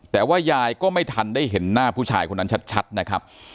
แต่ว่ายายก็ไม่ทันได้เห็นหน้าผู้ชายคนนั้นชัดนะครับ